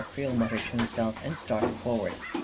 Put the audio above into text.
" Creel muttered to himself, and started forward.